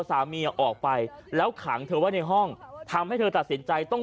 สามีออกไปแล้วขังเธอไว้ในห้องทำให้เธอตัดสินใจต้อง